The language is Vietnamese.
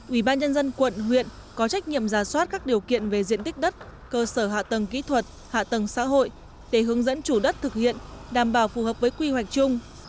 ủy ban nhân dân quận huyện có trách nhiệm giả soát các điều kiện về diện tích đất cơ sở hạ tầng kỹ thuật hạ tầng xã hội để hướng dẫn chủ đất thực hiện đảm bảo phù hợp với quy hoạch chung